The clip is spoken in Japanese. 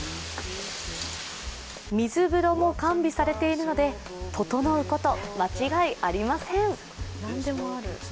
水風呂も完備されているのでととのうこと間違いありません。